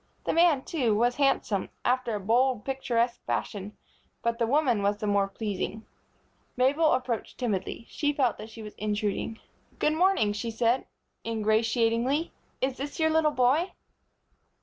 The man, too, was handsome, after a bold, picturesque fashion; but the woman was the more pleasing. Mabel approached timidly. She felt that she was intruding. "Good morning," said she, ingratiatingly. "Is this your little boy?"